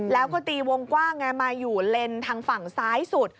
แล้วก็ตีวงกว้างไงมาอยู่เลนทางฝั่งซ้ายสุด